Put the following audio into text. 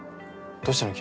どうしたの？